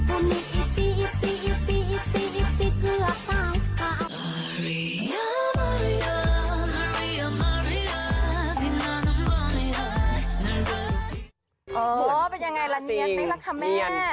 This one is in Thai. โอ้โหเป็นยังไงละเนียนไหมล่ะคะแม่